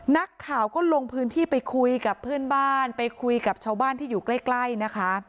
นักข่าวก็ลงพื้นที่ไปคุยกับเพื่อนบ้านไปคุยกับชาวบ้านที่อยู่ใกล้นะคะ